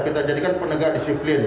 kita jadikan penegak disiplin